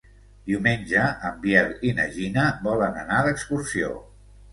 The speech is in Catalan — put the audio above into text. Diumenge en Biel i na Gina volen anar d'excursió.